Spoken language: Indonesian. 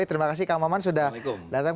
terima kasih kang maman sudah datang